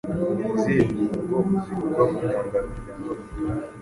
Ni izihe ngingo zivugwa mu itangazo rya mbere,